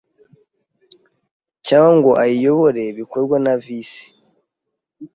cyangwa ngo ayiyobore bikorwa na Visi